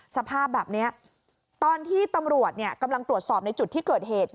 สภาพแบบนี้ตอนที่ตำรวจกำลังตรวจสอบในจุดที่เกิดเหตุ